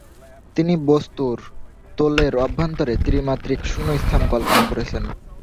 তিনি বস্তুর তোলের অভ্যন্তরে ত্রিমাত্রিক শুণ্য স্থান কল্পনা করেছেন।